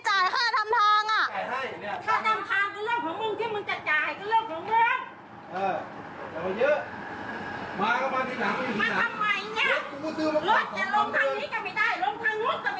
ถ้ามึงอยากตายมึงลองลงมานี่